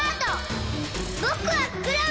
ぼくはクラム！